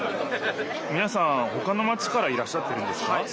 みなさんほかのマチからいらっしゃってるんですか？